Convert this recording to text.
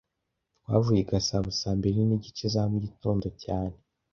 Twavuye i Gasabo saa mbiri nigice za mugitondo cyane